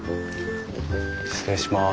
失礼します。